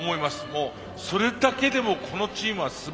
もうそれだけでもこのチームはすばらしい。